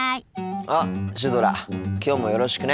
あっシュドラきょうもよろしくね。